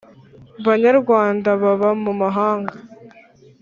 Banyarwanda baba mu mahanga